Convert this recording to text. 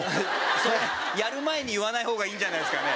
それやる前に言わない方がいいんじゃないですかね。